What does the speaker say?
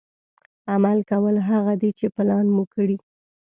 عمل کول هغه دي چې پلان مو کړي.